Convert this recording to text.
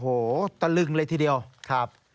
โอ้โหตะลึงเลยทีเดียวครับ